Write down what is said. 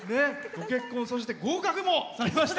ご結婚、合格もされました。